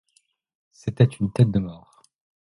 C’était une tête de mort.